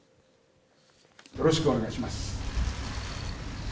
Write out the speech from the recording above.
よろしくお願いします。